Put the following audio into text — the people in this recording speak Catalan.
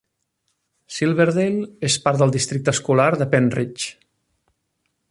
Silverdale és part del Districte Escolar de Pennridge.